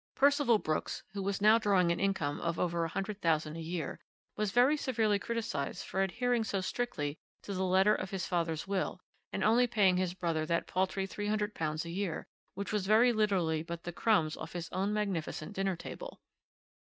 "Percival Brooks, who was now drawing an income of over a hundred thousand a year, was very severely criticised for adhering so strictly to the letter of his father's will, and only paying his brother that paltry £300 a year, which was very literally but the crumbs off his own magnificent dinner table.